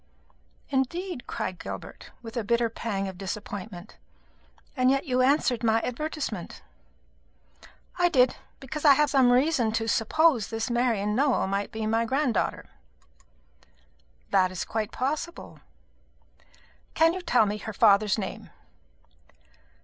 "Indeed!" cried Gilbert, with a bitter pang of disappointment; "and yet you answered my advertisement." "I did, because I have some reason to suppose this Marian Nowell may be my granddaughter." "That is quite possible." "Can you tell me her father's name?"